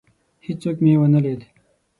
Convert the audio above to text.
هیڅوک مي ونه لید.